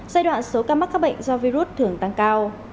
giai đoạn số ca mắc các bệnh do virus thường tăng cao